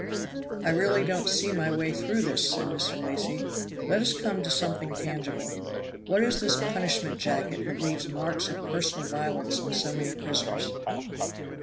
"I really don't see my way through this," said Mr. Lacy. "Let us come to something tangible. What is this punishment jacket that leaves marks of personal violence on so many prisoners?"